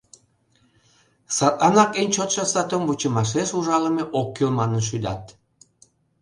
Садланак эн чотшо сатум вучымашеш ужалыме ок кӱл манын шӱдат.